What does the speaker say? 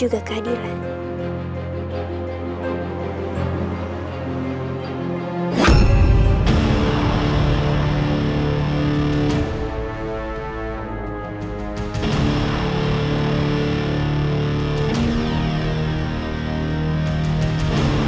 ada bantuan viel